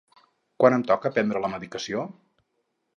Quan em toca prendre la medicació?